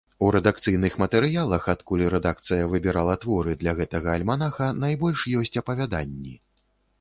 У рэдакцыйных матэрыялах, адкуль рэдакцыя выбірала творы для гэтага альманаха, найбольш ёсць апавяданні.